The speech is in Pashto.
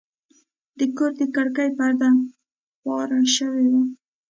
د کور د کړکۍ پرده خواره شوې وه.